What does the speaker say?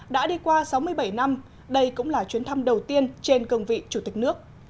đã đi qua sáu mươi bảy năm đây cũng là chuyến thăm đầu tiên trên cương vị chủ tịch nước